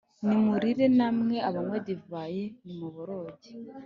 ni murire namwe abanywa divayi nimuboroge